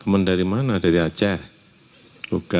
temen dari mana dari aceh bukan